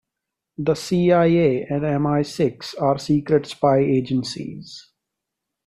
The CIA and MI-Six are secret spy agencies.